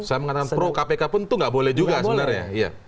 saya mengatakan pro kpk pun itu nggak boleh juga sebenarnya